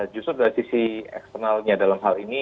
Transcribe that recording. justru dari sisi eksternalnya dalam hal ini